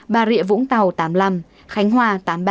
bà rịa vũng tàu tám mươi năm khánh hòa tám mươi ba